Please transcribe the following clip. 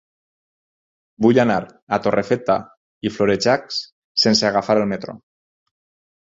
Vull anar a Torrefeta i Florejacs sense agafar el metro.